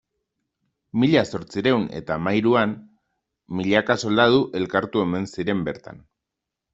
Mila zortziehun eta hamahiruan milaka soldadu elkartu omen ziren bertan.